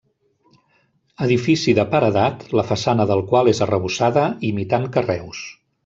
Edifici de paredat, la façana del qual és arrebossada imitant carreus.